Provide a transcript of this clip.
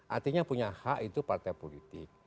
artinya punya hak itu partai politik